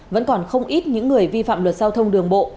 vẫn còn không ít những người vi phạm luật giao thông đường bộ